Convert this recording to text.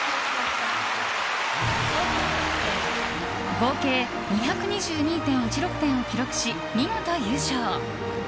合計２２２．１６点を記録し見事優勝！